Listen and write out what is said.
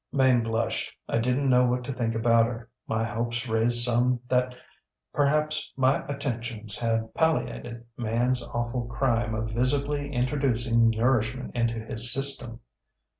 ŌĆ£Mame blushed. I didnŌĆÖt know what to think about her. My hopes raised some that perhaps my attentions had palliated manŌĆÖs awful crime of visibly introducing nourishment into his system.